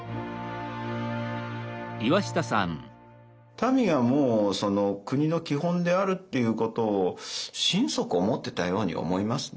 民がもうその国の基本であるっていうことを心底思ってたように思いますね